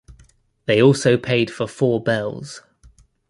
They also paid for four bells.